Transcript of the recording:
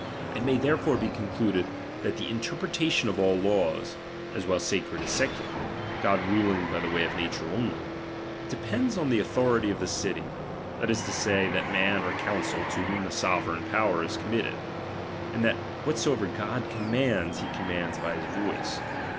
It may therefore be concluded, that the interpre tation of all laws, as well sacred as secular, (God ruling by the way of nature only), depends on the authority of the city, that is to say, that man or counsel to whom the sovereign power is commit ■ ted ; and that whatsoever God commands, he com mands by his voice.